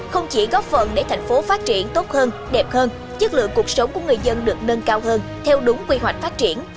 không chỉ góp phần để thành phố phát triển tốt hơn đẹp hơn chất lượng cuộc sống của người dân được nâng cao hơn theo đúng quy hoạch phát triển